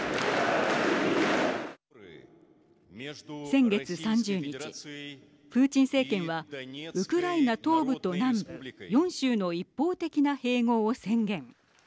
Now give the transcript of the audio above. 先月３０日プーチン政権はウクライナ東部と南部４州の一方的な併合を宣言。